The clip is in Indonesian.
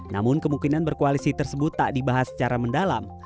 namun kemungkinan berkoalisi tersebut tak dibahas secara mendalam